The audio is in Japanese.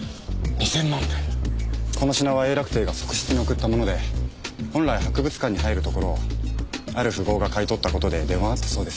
この品は永楽帝が側室に贈ったもので本来博物館に入るところをある富豪が買い取った事で出回ったそうです。